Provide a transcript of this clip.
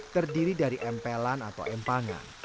terdiri dari empelan atau empangan